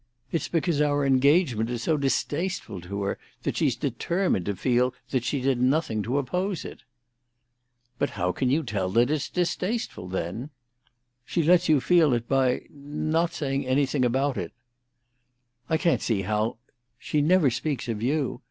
It's because our engagement is so distasteful to her that she's determined to feel that she did nothing to oppose it." "But how can you tell that it's distasteful, then?" "She lets you feel it by—not saying anything about it." "I can't see how—" "She never speaks of you.